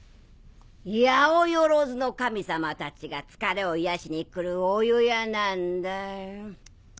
八百万の神様たちが疲れを癒やしに来るお湯屋なんだよ。